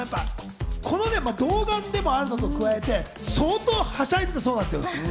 童顔でもあるのと加えて、相当はしゃいでたそうです。